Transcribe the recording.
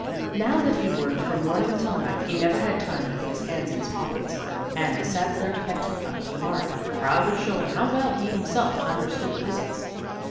Now that he worked from morning till night he never had time to put his hands in his pockets, and the saddler kept him up to the mark, proud of showing how well he himself understood the business.